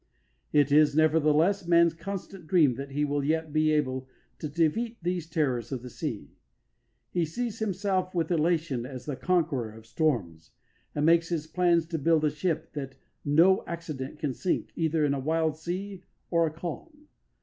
It is, nevertheless, man's constant dream that he will yet be able to defeat these terrors of the sea. He sees himself with elation as the conqueror of storms, and makes his plans to build a ship that no accident can sink either in a wild sea or a calm.